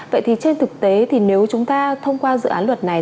vậy thì trên thực tế thì nếu chúng ta thông qua dự án luật này